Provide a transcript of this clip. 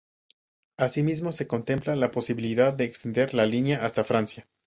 Asimismo se contempla la posibilidad de extender la línea hasta Francia.